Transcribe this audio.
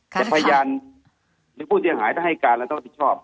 แต่พยานหรือผู้เสียหายถ้าให้การเราต้องรับผิดชอบ